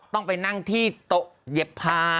ต้องไปนั่งที่โต๊ะเหยียบพา